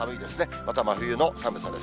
また真冬の寒さです。